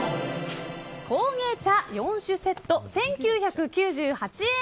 工芸茶４種セット、１９９８円。